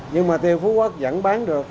nhưng mà tiêu phú quốc vẫn bán được